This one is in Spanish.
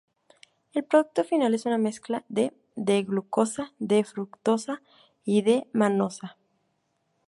El producto final es una mezcla de D-glucosa, D-fructosa y D-manosa.